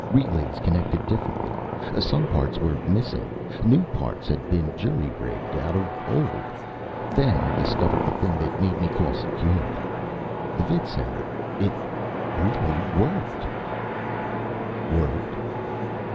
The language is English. Relays connected differently. Some parts were missing. New parts had been jury rigged out of old. Then I discovered the thing that made me call Security. The vidsender it really worked." "Worked?"